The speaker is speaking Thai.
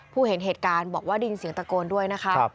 เห็นเหตุการณ์บอกว่าได้ยินเสียงตะโกนด้วยนะคะ